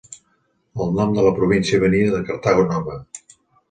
El nom de la província venia de Cartago Nova.